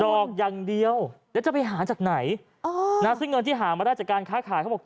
อกอย่างเดียวแล้วจะไปหาจากไหนซึ่งเงินที่หามาได้จากการค้าขายเขาบอก